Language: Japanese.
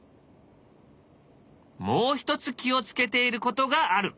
もう一つ気を付けていることがある。